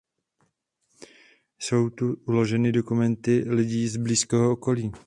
Jsou tu uloženy dokumenty lidí z blízkého okolí.